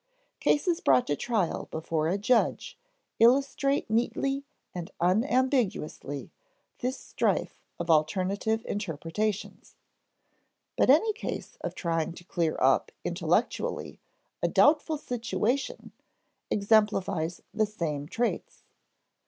Cases brought to trial before a judge illustrate neatly and unambiguously this strife of alternative interpretations; but any case of trying to clear up intellectually a doubtful situation exemplifies the same traits.